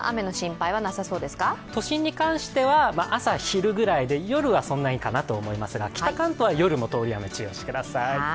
都心に関しては朝、昼ぐらいで、夜はそんなにかなと思いますが北関東は夜も通り雨に注意をしてください。